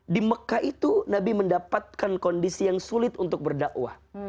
di mekah itu nabi mendapatkan kondisi yang sulit untuk berdakwah